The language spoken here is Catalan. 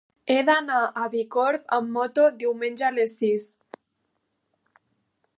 He d'anar a Bicorb amb moto diumenge a les sis.